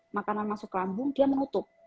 makanan masuk ke lambung dia menutup